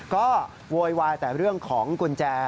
ก็โวยวายแต่เรื่องของกุญแจ